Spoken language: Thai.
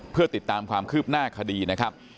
เพื่อติดตามความคืบหน้าคดีนะครับ